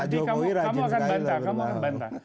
kamu akan bantah